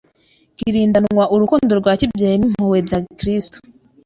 kirindanwa urukundo rwa kibyeyi n'impuhwe bya Kristo.